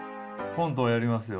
コントやりますよ。